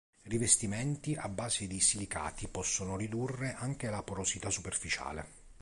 Rivestimenti a base di silicati possono ridurre anche la porosità superficiale.